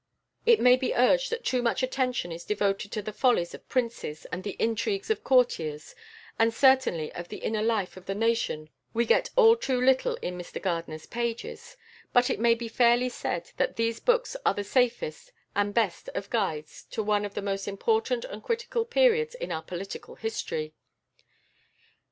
It may be urged that too much attention is devoted to the follies of princes and the intrigues of courtiers, and certainly of the inner life of the nation we get all too little in Mr Gardiner's pages: but it may be fairly said that these books are the safest and best of guides to one of the most important and critical periods in our political history.